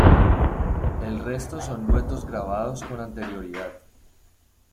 El resto son duetos grabados con anterioridad.